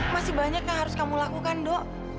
masih banyak yang harus kamu lakukan dok